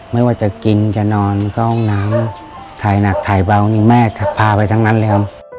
ไม่ว่าจะกินจะนอนเข้าห้องน้ำไถหนักไถเบาแม่สาเหตุแยกถึงอะไร